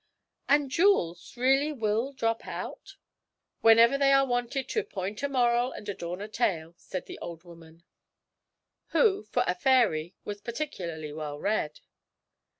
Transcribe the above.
'And jewels really will drop out?' 'Whenever they are wanted to "point a moral and adorn a tale,"' said the old woman (who, for a fairy, was particularly well read).